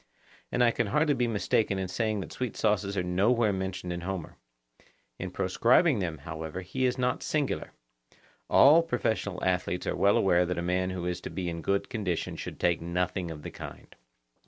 And I can hardly be mistaken in saying that sweet sauces are nowhere mentioned in Homer. In proscribing them, however, he is not singular; all professional athletes are well aware that a man who is to be in good condition should take nothing of the kind.